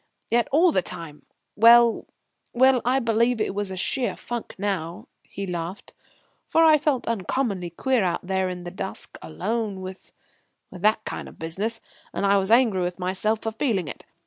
Yet all the time well, well, I believe it was sheer funk now," he laughed; "for I felt uncommonly queer out there in the dusk, alone with with that kind of business; and I was angry with myself for feeling it.